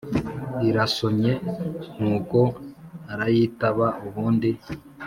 irasonye nuko arayitaba ubundi